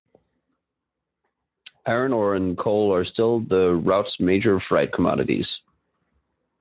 Iron ore and coal are still the route's major freight commodities.